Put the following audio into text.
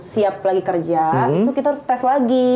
siap lagi kerja itu kita harus tes lagi